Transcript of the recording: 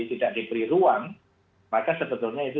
tidak diberi ruang maka sebetulnya itu